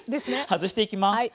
外していきます。